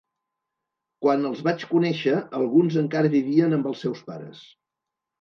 Quan els vaig conèixer, alguns encara vivien amb els seus pares!